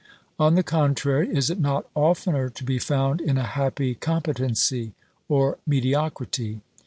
On the contrary, is it not oftener to be found in a happy competency or mediocrity?